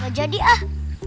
gak jadi ah